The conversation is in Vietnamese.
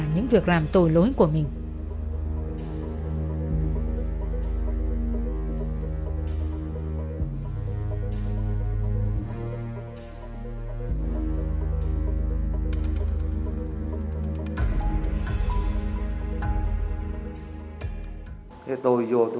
những việc làm tội lỗi của mình